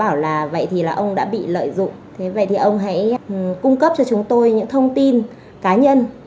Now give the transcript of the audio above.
ông đã bị lợi dụng thế vậy thì ông hãy cung cấp cho chúng tôi những thông tin cá nhân